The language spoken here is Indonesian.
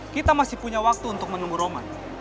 kita masih punya waktu untuk menemu roman